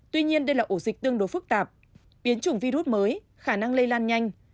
tuy nhiên đây là ổ dịch tương đối phức tạp biến chủng virus mới khả năng lây lan nhanh